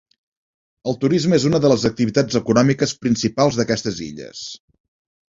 El turisme és una de les activitats econòmiques principals d'aquestes illes.